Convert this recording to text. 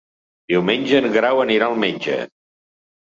Diumenge en Grau anirà al metge.